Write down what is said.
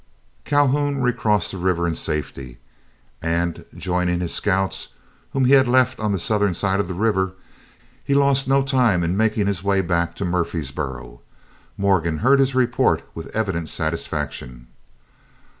Calhoun recrossed the river in safety, and joining his scouts, whom he had left on the southern side of the river, he lost no time in making his way back to Murfreesboro. Morgan heard his report with evident satisfaction.